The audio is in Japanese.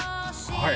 はい？